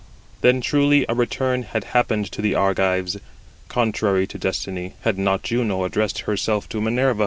Then truly a return had happened to the Argives, contrary to destiny, had not Juno addressed herself to Minerva: Footnote 88: (return) _I.